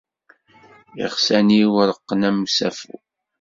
Iɣsan-iw reqqen am usafu.